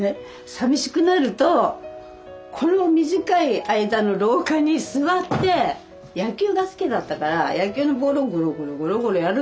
さみしくなるとこの短い間の廊下に座って野球が好きだったから野球のボールをゴロゴロゴロゴロやるんですよ。